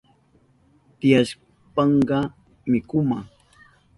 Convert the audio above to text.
Tiyashpanka mikuma